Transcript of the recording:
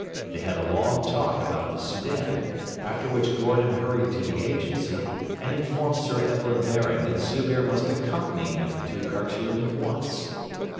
They had a long talk about the Soudan, after which Gordon hurried to the Agency and informed Sir Evelyn Baring that Zubehr must accompany him to Khartoum at once.